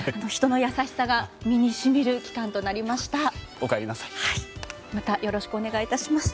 人の優しさが身に染みる期間となりました。